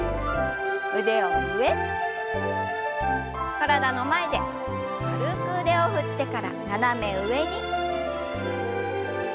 体の前で軽く腕を振ってから斜め上に。